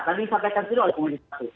kami sampaikan sendiri oleh pemudian satu